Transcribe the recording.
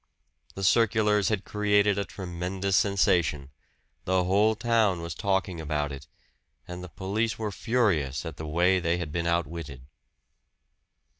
The circulars had created a tremendous sensation the whole town was talking about it, and the police were furious at the way they had been outwitted.